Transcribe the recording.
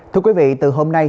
thưa quý vị từ hôm nay